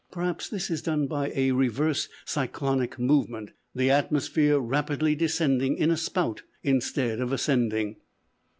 Perhaps this is done by a reverse cyclonic movement, the atmosphere rapidly descending in a "spout," instead of ascending.